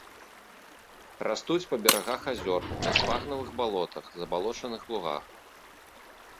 Растуць па берагах азёр, на сфагнавых балотах, забалочаных лугах.